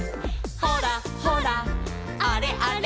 「ほらほらあれあれ」